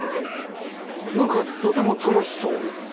なんかとても楽しそう。